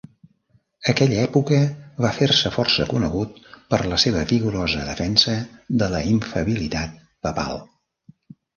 Aquella època va fer-se força conegut per la seva vigorosa defensa de la infal·libilitat papal.